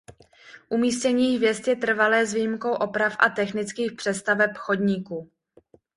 Umístění hvězd je trvalé s výjimkou oprav a technických přestaveb chodníku.